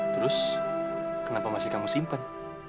terus kenapa masih kamu simpen